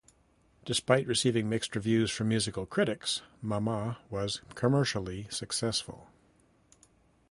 Despite receiving mixed reviews from music critics, "Mama" was commercially successful.